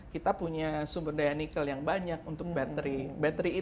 kita punya sumber daya nikel yang banyak untuk baterai itu